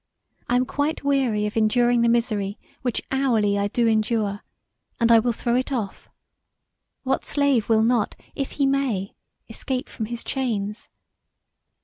I am quite weary of enduring the misery which hourly I do endure, and I will throw it off. What slave will not, if he may, escape from his chains?